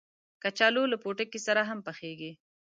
کچالو له پوټکي سره هم پخېږي